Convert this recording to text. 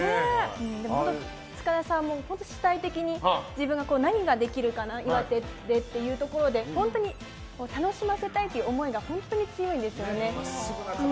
塚田さんも主体的に自分が何ができるかな岩手でっていうところで楽しませたいという思いが本当に強いんですよね。